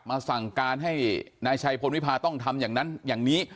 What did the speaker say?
มาสั่งการให้นายชายพลวิพาต้องทำอย่างนี้